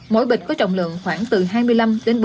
mỗi bịch có trọng lượng khoảng từ hai mươi năm bốn mươi kg